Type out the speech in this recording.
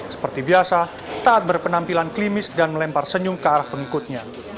seperti biasa taat berpenampilan klimis dan melempar senyum ke arah pengikutnya